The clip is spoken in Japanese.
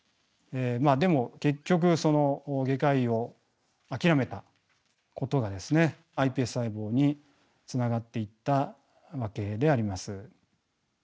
まあでも結局外科医を諦めたことがですねｉＰＳ細胞につながっていったわけであります。